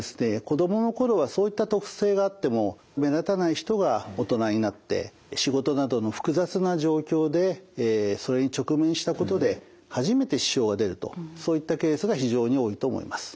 子どものころはそういった特性があっても目立たない人が大人になって仕事などの複雑な状況でそれに直面したことで初めて支障が出るとそういったケースが非常に多いと思います。